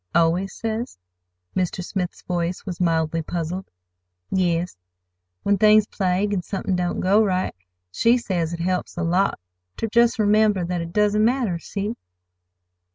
"Always says?" Mr. Smith's voice was mildly puzzled. "Yes, when things plague, an' somethin' don't go right. She says it helps a lot ter just remember that it doesn't matter. See?"